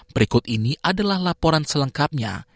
berikut ini adalah laporan selengkapnya